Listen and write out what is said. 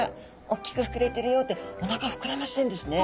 大きく膨れてるよっておなか膨らましてるんですね。